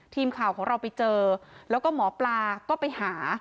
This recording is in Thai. ทีมข่าวของเราไปเจอแล้วก็หมอปลาก็ไปหา